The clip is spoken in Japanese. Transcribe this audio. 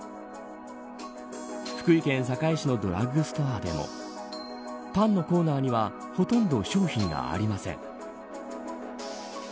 福井県坂井市のドラッグストアでもパンのコーナーにはほとんど商品がありません。